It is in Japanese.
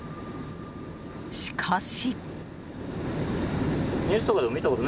しかし。